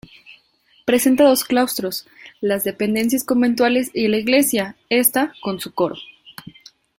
Presenta dos claustros, las dependencias conventuales y la Iglesia, esta con su coro.